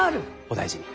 お大事に。